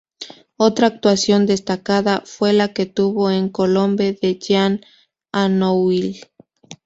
Otra actuación destacada fue la que tuvo en "Colombe" de Jean Anouilh.